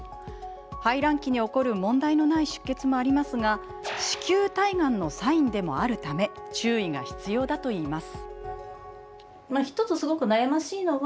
排卵期に起こる問題のない出血もありますが子宮体がんのサインでもあるため注意が必要だといいます。